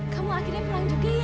kamu akhirnya pulang juga